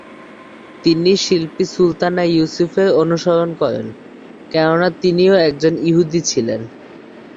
তিনি শিল্পী সুলতানা ইউসুফ এর অনুসরণ করেন, কেননা তিনিও একজন ইহুদি ছিলেন।